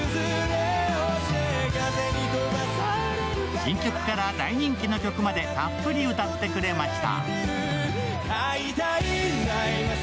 新曲から大人気の曲までたっぷり歌ってくれました。